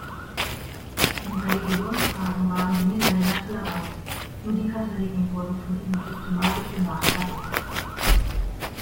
In Religionsfragen waren die Niederländer tolerant, nur die Katholiken wurden von ihnen systematisch benachteiligt.